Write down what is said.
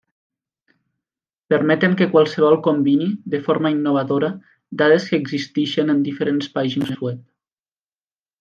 Permeten que qualsevol combini, de forma innovadora, dades que existeixen en diferents pàgines web.